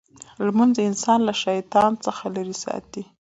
لمونځ انسان له شیطان څخه لرې ساتي.